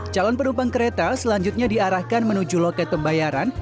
calon penumpang kereta selanjutnya diarahkan menuju loket pembayaran